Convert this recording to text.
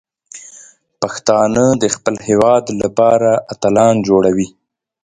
پښتانه د خپل هیواد لپاره اتلان جوړوي.